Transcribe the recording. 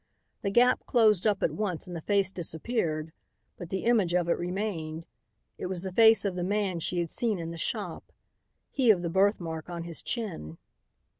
The gap closed up at once and the face disappeared, but the image of it remained. It was the face of the man she had seen in the shop, he of the birthmark on his chin.